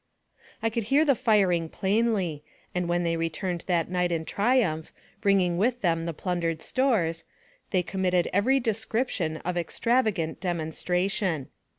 I could hear the firing plainly, and when they re turned that night in triumph, bringing with them the plundered stores, they committed every description of extravagant demonstration.